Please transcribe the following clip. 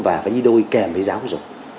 và phải đi đôi kèm với giáo dục